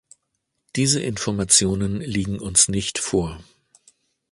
Diese Informationen liegen uns nicht vor.